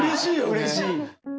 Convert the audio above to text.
うれしい。